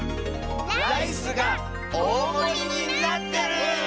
ライスがおおもりになってる！